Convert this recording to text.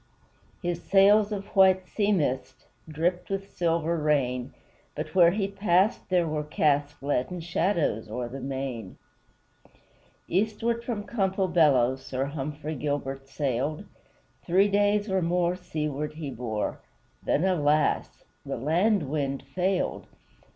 His sails of white sea mist Dripped with silver rain; But where he passed there were cast Leaden shadows o'er the main. Eastward from Campobello Sir Humphrey Gilbert sailed; Three days or more seaward he bore, Then, alas! the land wind failed.